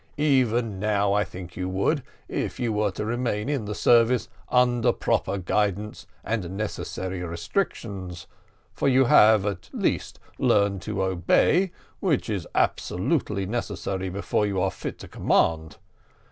Even now I think you would, if you were to remain in the service under proper guidance and necessary restrictions, for you have, at least, learned to obey, which is absolutely necessary before you are fit to command.